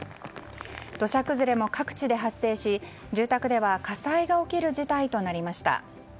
土砂崩れも各地で発生し住宅では火災が起きる事態となりました。